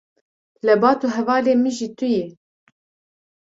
lebat û hevalê min jî tu yî?